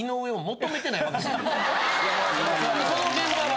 その現場は。